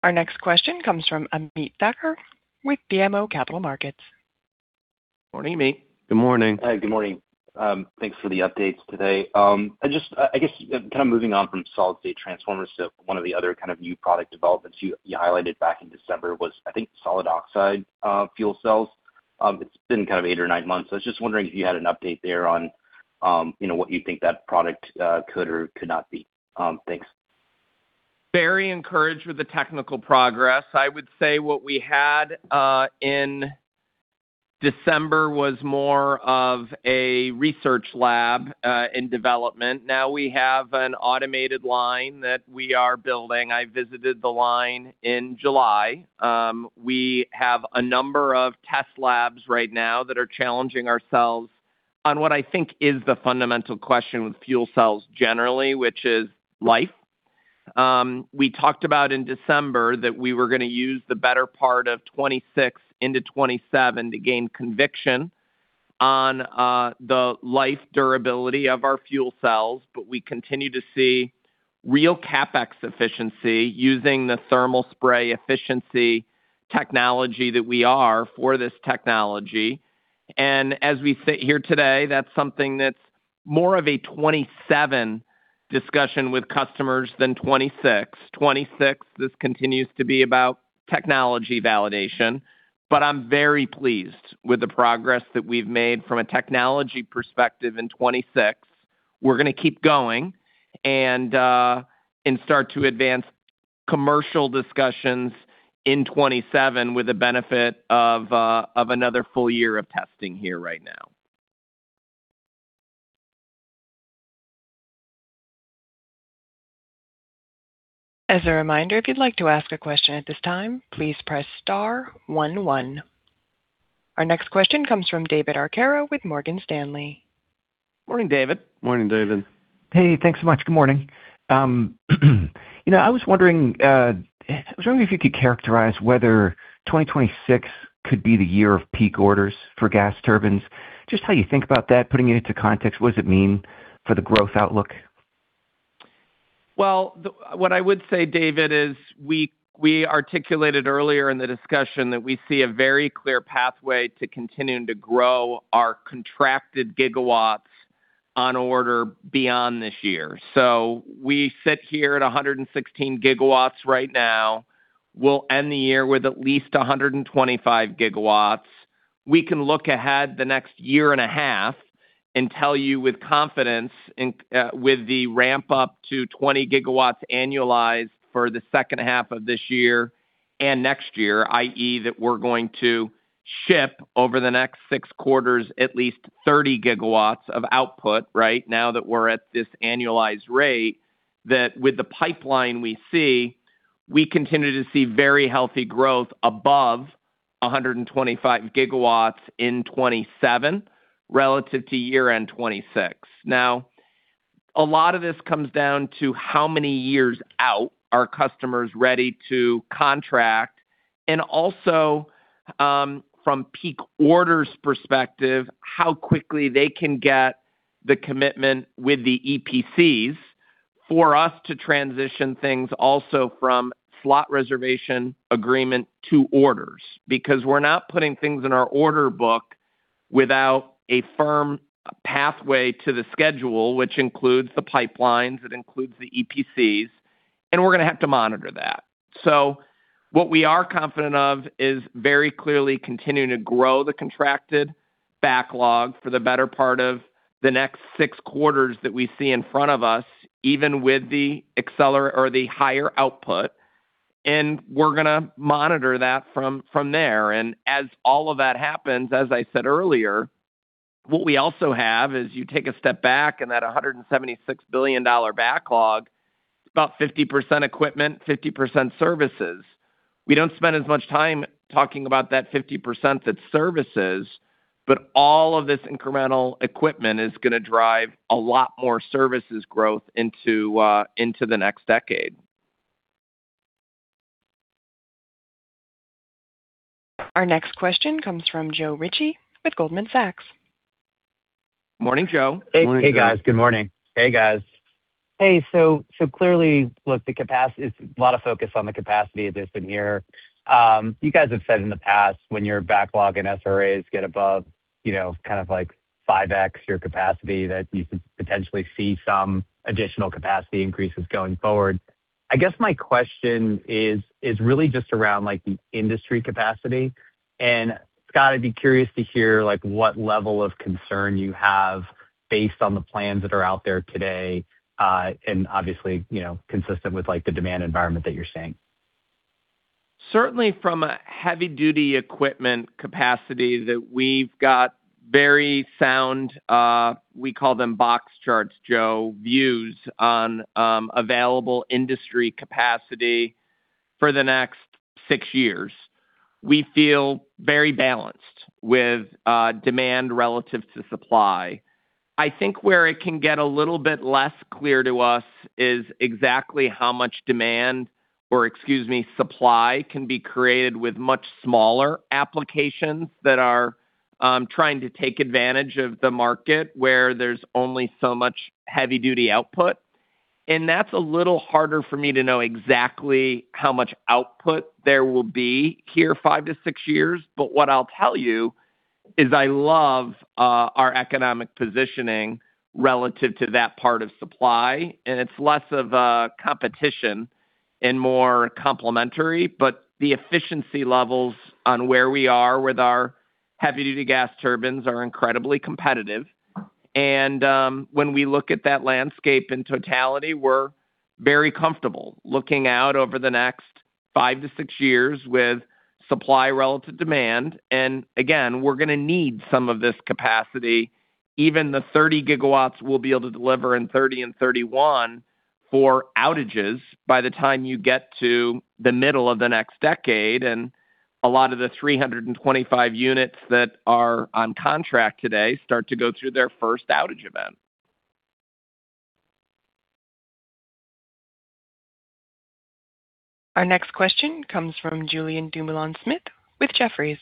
Speaker 1: Our next question comes from Ameet Thakkar with BMO Capital Markets.
Speaker 3: Morning, Ameet.
Speaker 4: Good morning.
Speaker 9: Hi, good morning. Thanks for the updates today. I guess, kind of moving on from solid-state transformers to one of the other kind of new product developments you highlighted back in December was, I think, solid oxide fuel cells. It's been kind of eight or nine months. I was just wondering if you had an update there on what you think that product could or could not be. Thanks.
Speaker 3: Very encouraged with the technical progress. I would say what we had in December was more of a research lab in development. Now we have an automated line that we are building. I visited the line in July. We have a number of test labs right now that are challenging ourselves on what I think is the fundamental question with fuel cells generally, which is life. We talked about in December that we were going to use the better part of 2026 into 2027 to gain conviction on the life durability of our fuel cells. We continue to see real CapEx efficiency using the thermal spray efficiency technology that we are for this technology. As we sit here today, that's something that's more of a 2027 discussion with customers than 2026. 2026, this continues to be about technology validation. I'm very pleased with the progress that we've made from a technology perspective in 2026. We're going to keep going and start to advance commercial discussions in 2027 with the benefit of another full year of testing here right now.
Speaker 1: As a reminder, if you'd like to ask a question at this time, please press star one one. Our next question comes from David Arcaro with Morgan Stanley.
Speaker 3: Morning, David.
Speaker 4: Morning, David.
Speaker 10: Hey, thanks so much. Good morning. I was wondering if you could characterize whether 2026 could be the year of peak orders for gas turbines. Just how you think about that, putting it into context, what does it mean for the growth outlook?
Speaker 3: Well, what I would say, David, is we articulated earlier in the discussion that we see a very clear pathway to continuing to grow our contracted gigawatts on order beyond this year. We sit here at 116 gigawatts right now. We'll end the year with at least 125 gigawatts. We can look ahead the next year and a half and tell you with confidence, with the ramp up to 20 gigawatts annualized for the second half of this year, next year, i.e., that we're going to ship over the next six quarters at least 30 gigawatts of output. Now that we're at this annualized rate, that with the pipeline we see, we continue to see very healthy growth above 125 gigawatts in 2027 relative to year-end 2026. Now, a lot of this comes down to how many years out are customers ready to contract, and also, from peak orders perspective, how quickly they can get the commitment with the EPCs for us to transition things also from slot reservation agreement to orders. Because we're not putting things in our order book without a firm pathway to the schedule, which includes the pipelines, it includes the EPCs, and we're going to have to monitor that. What we are confident of is very clearly continuing to grow the contracted backlog for the better part of the next six quarters that we see in front of us, even with the higher output. We're going to monitor that from there. As all of that happens, as I said earlier, what we also have is you take a step back and that $176 billion backlog, it's about 50% equipment, 50% services. We don't spend as much time talking about that 50% that's services, all of this incremental equipment is going to drive a lot more services growth into the next decade.
Speaker 1: Our next question comes from Joe Ritchie with Goldman Sachs.
Speaker 3: Morning, Joe.
Speaker 11: Hey, guys. Good morning.
Speaker 3: Hey, guys.
Speaker 11: The capacity. A lot of focus on the capacity this year. You guys have said in the past when your backlog and SRAs get above 5x your capacity, that you could potentially see some additional capacity increases going forward. My question is around the industry capacity. Scott, I'd be curious to hear what level of concern you have based on the plans that are out there today, consistent with the demand environment that you're seeing.
Speaker 3: From a Heavy-Duty equipment capacity that we've got very sound, we call them box charts, Joe, views on available industry capacity for the next six years. We feel very balanced with demand relative to supply. Where it can get a little bit less clear to us is exactly how much demand, supply can be created with much smaller applications that are trying to take advantage of the market where there's only so much Heavy-Duty output. That's a little harder for me to know exactly how much output there will be here 5 to 6 years. What I'll tell you is I love our economic positioning relative to that part of supply, and it's less of a competition and more complementary. The efficiency levels on where we are with our Heavy-Duty gas turbines are incredibly competitive. When we look at that landscape in totality, we're very comfortable looking out over the next five to six years with supply relative demand. Again, we're going to need some of this capacity, even the 30 gigawatts we'll be able to deliver in 2030 and 2031 for outages by the time you get to the middle of the next decade. A lot of the 325 units that are on contract today start to go through their first outage event.
Speaker 1: Our next question comes from Julien Dumoulin-Smith with Jefferies.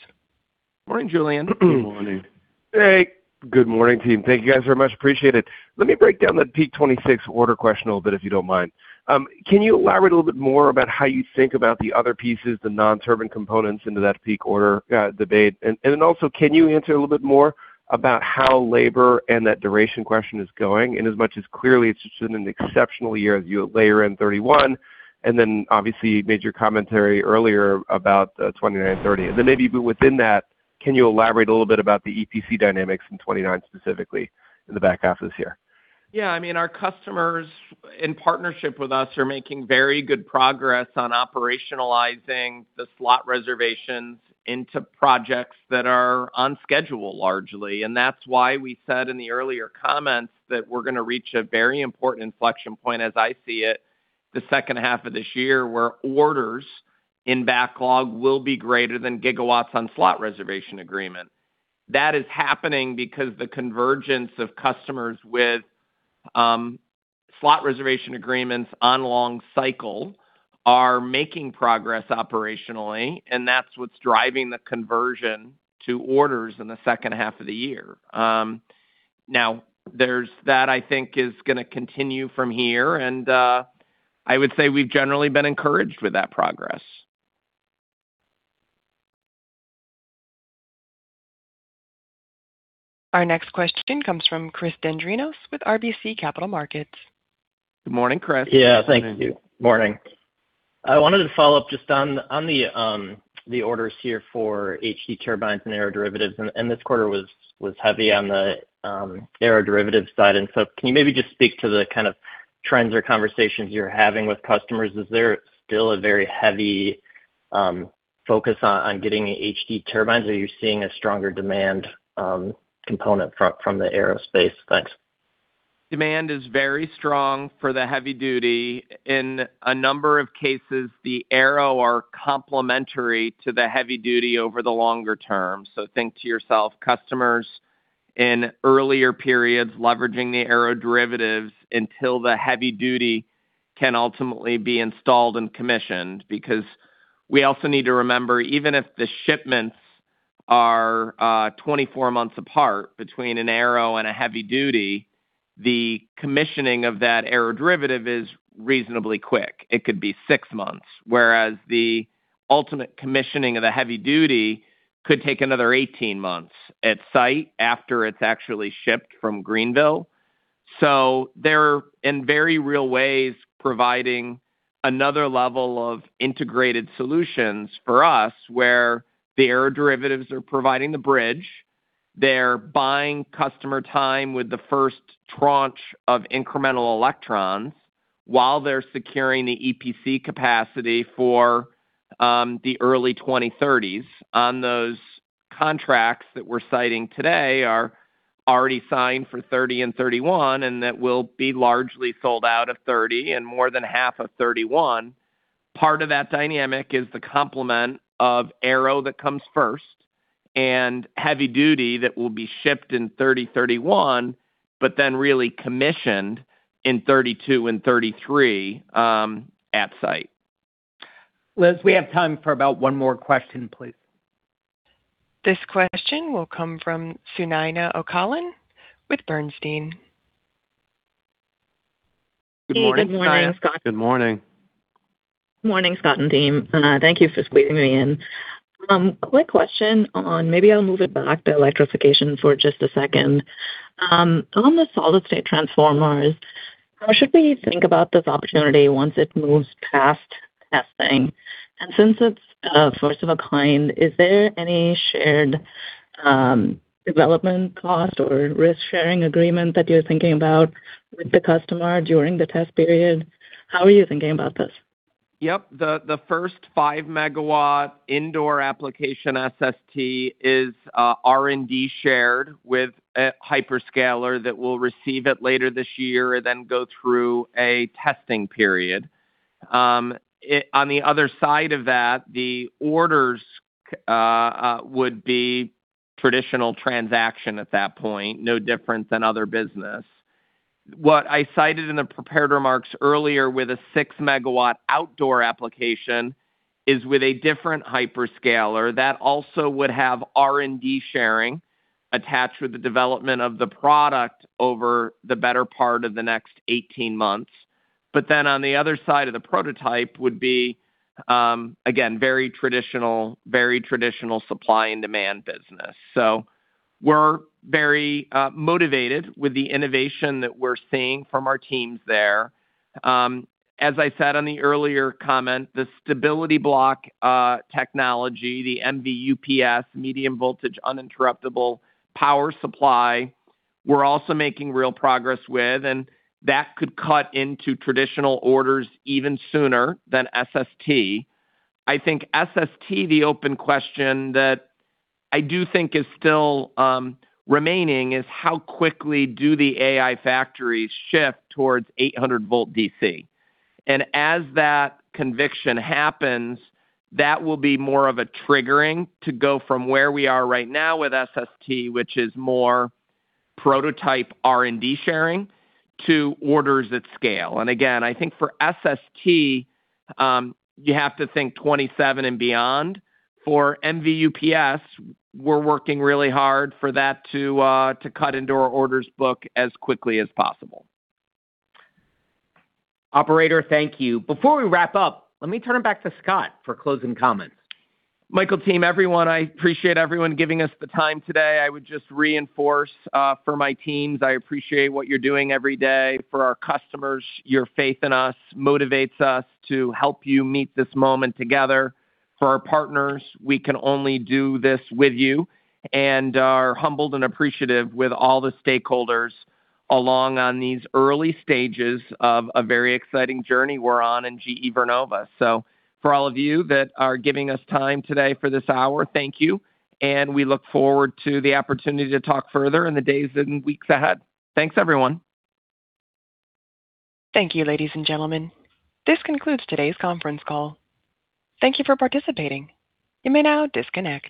Speaker 3: Morning, Julien.
Speaker 12: Good morning.
Speaker 4: Hey.
Speaker 12: Good morning, team. Thank you, guys, very much appreciated. Let me break down that peak 2026 order question a little bit, if you don't mind. Also, can you elaborate a little bit more about how you think about the other pieces, the non-turbine components into that peak order debate? As much as clearly it's just been an exceptional year as you layer in 2031, obviously, you made your commentary earlier about the 2029 and 2030. Maybe within that, can you elaborate a little bit about the EPC dynamics in 2029, specifically in the back half of this year?
Speaker 3: Yeah. Our customers in partnership with us are making very good progress on operationalizing the slot reservations into projects that are on schedule largely. That's why we said in the earlier comments that we're going to reach a very important inflection point as I see it, the second half of this year, where orders in backlog will be greater than gigawatts on slot reservation agreement. That is happening because the convergence of customers with slot reservation agreements on long cycle are making progress operationally, that's what's driving the conversion to orders in the second half of the year. That I think is going to continue from here, I would say we've generally been encouraged with that progress.
Speaker 1: Our next question comes from Chris Dendrinos with RBC Capital Markets.
Speaker 3: Good morning, Chris.
Speaker 13: Morning. Yeah. Thank you. Morning. I wanted to follow up just on the orders here for Heavy-Duty turbines and aeroderivatives, this quarter was heavy on the aeroderivative side. Can you maybe just speak to the kind of trends or conversations you're having with customers, is there still a very heavy focus on getting Heavy-Duty turbines? Are you seeing a stronger demand component from the aerospace? Thanks.
Speaker 3: Demand is very strong for the Heavy-Duty. In a number of cases, the aero are complementary to the Heavy-Duty over the longer term. Think to yourself, customers in earlier periods leveraging the aero derivatives until the Heavy-Duty can ultimately be installed and commissioned. Because we also need to remember, even if the shipments are 24 months apart between an aero and a Heavy-Duty, the commissioning of that aero derivative is reasonably quick. It could be six months, whereas the ultimate commissioning of the Heavy-Duty could take another 18 months at site after it's actually shipped from Greenville. They're, in very real ways, providing another level of integrated solutions for us where the aero derivatives are providing the bridge. They're buying customer time with the first tranche of incremental electrons while they're securing the EPC capacity for the early 2030s. On those contracts that we're citing today are already signed for 2030 and 2031. That will be largely sold out of 2030 and more than half of 2031. Part of that dynamic is the complement of aero that comes first and Heavy-Duty that will be shipped in 2030, 2031. Really commissioned in 2032 and 2033, at site.
Speaker 2: Liz, we have time for about one more question, please.
Speaker 1: This question will come from Sunaina Ocalan with Bernstein.
Speaker 3: Good morning.
Speaker 14: Hey, good morning, Scott.
Speaker 3: Good morning.
Speaker 14: Morning, Scott and team. Thank you for squeezing me in. Quick question on, maybe I'll move it back to electrification for just a second. On the solid-state transformers, how should we think about this opportunity once it moves past testing? Since it's first of a kind, is there any shared development cost or risk-sharing agreement that you're thinking about with the customer during the test period? How are you thinking about this?
Speaker 3: Yep. The first five-megawatt indoor application SST is R&D-shared with a hyperscaler that will receive it later this year and then go through a testing period. On the other side of that, the orders would be traditional transaction at that point, no different than other business. What I cited in the prepared remarks earlier with a six-megawatt outdoor application is with a different hyperscaler that also would have R&D sharing attached with the development of the product over the better part of the next 18 months. On the other side of the prototype would be, again, very traditional supply and demand business. We're very motivated with the innovation that we're seeing from our teams there. As I said on the earlier comment, the stability block technology, the MV-UPS, Medium Voltage Uninterruptible Power Supply, we're also making real progress with, that could cut into traditional orders even sooner than SST. I think SST, the open question that I do think is still remaining is how quickly do the AI factories shift towards 800-volt DC? As that conviction happens, that will be more of a triggering to go from where we are right now with SST, which is more prototype R&D sharing, to orders at scale. Again, I think for SST, you have to think 2027 and beyond. For MV-UPS, we're working really hard for that to cut into our orders book as quickly as possible.
Speaker 2: Operator, thank you. Before we wrap up, let me turn it back to Scott for closing comments.
Speaker 3: Michael, team, everyone, I appreciate everyone giving us the time today. I would just reinforce for my teams, I appreciate what you're doing every day. For our customers, your faith in us motivates us to help you meet this moment together. For our partners, we can only do this with you and are humbled and appreciative with all the stakeholders along on these early stages of a very exciting journey we're on in GE Vernova. For all of you that are giving us time today for this hour, thank you, and we look forward to the opportunity to talk further in the days and weeks ahead. Thanks, everyone.
Speaker 1: Thank you, ladies and gentlemen. This concludes today's conference call. Thank you for participating. You may now disconnect.